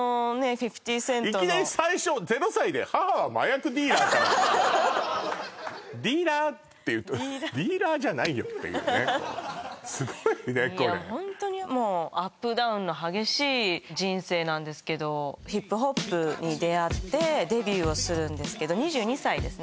５０ＣＥＮＴのいきなり最初０歳で「母は麻薬ディーラー」ディーラーってディーラーディーラーじゃないよっていうねすごいねこれいやもうホントにもうアップダウンの激しい人生なんですけどＨＩＰＨＯＰに出会ってデビューをするんですけど２２歳ですね